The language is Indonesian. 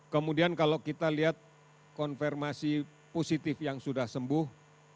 kemudian kalau kita lihat konfirmasi positif yang sudah sembuh